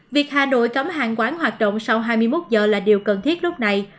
việc hà nội cấm hàng quán hoạt động sau hai mươi một giờ là điều cần thiết lúc này